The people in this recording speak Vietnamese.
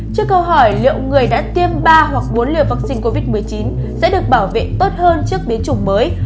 trước câu hỏi liệu người đã tiêm ba hoặc bốn liều vaccine covid một mươi chín sẽ được bảo vệ tốt hơn trước biến chủng mới